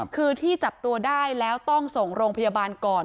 คือที่จับตัวได้แล้วต้องส่งโรงพยาบาลก่อน